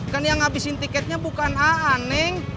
kan yang ngabisin tiketnya bukan aa neng